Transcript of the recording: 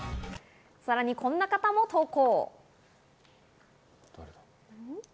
さらにこんな方も投稿。